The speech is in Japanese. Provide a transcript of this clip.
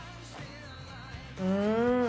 うん！